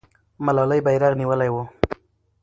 ملالۍ بیرغ نیولی وو.